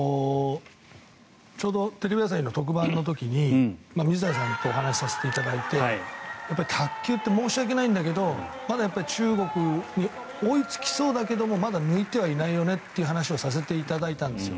ちょうどテレビ朝日の特番の時に水谷さんとお話しさせていただいてやっぱり卓球って申し訳ないんだけど、まだ中国に追いつきそうだけどもまだ抜いてはいないよねという話をさせていただいたんですよ。